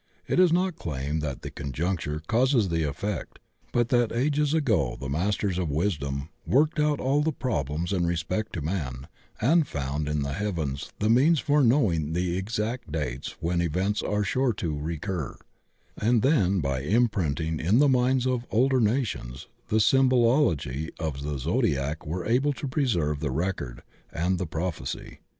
It is not claimed that the conjunction causes the effect, but that ages ago the Masters of Wisdom worked out all the problems in respect to man and found in the heav ens the means for knowing the exact dates when events are sure to recur, and then by imprinting in the minds of older nations the symbology of the Zodiac were able to preserve the record and the prophecy.